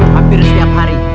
hampir setiap hari